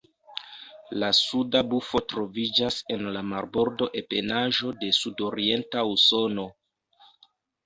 La Suda bufo troviĝas en la marborda ebenaĵo de sudorienta Usono.